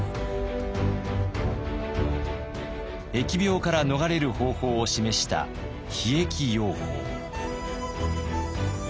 疫病から逃れる方法を示した「避疫要法」。